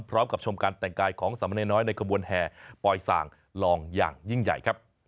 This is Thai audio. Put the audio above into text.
พร้อมกับชมการแต่งกายของสามเมินน้อยในขบวนแห่ปลอยส่างลองอย่างยิ่งใหญ่